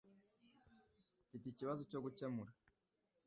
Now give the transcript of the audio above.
Mfite ikibazo cyo gukemura